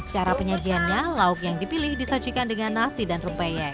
cara penyajiannya lauk yang dipilih disajikan dengan nasi dan rumpeyek